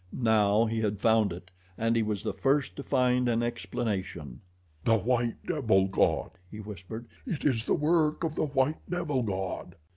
Now he had found it, and he was the first to find an explanation. "The white devil god," he whispered. "It is the work of the white devil god!"